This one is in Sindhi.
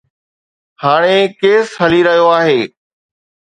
هاڻي ڪيس هلي رهيو آهي.